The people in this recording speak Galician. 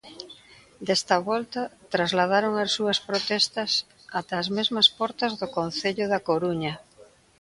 Desta volta, trasladaron as súas protestas ata as mesmas portas do concello da Coruña.